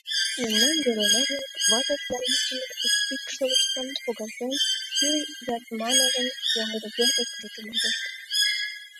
Мемнан геройна-влак, ватышт-марийышт дене, икшывыштым погалтен, Юриш Ятмановын йоҥгыдо пӧртышкыжӧ чумыргышт.